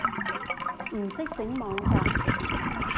唔識整網站